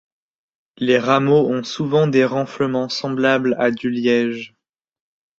Les rameaux ont souvent des renflements semblables à du liège.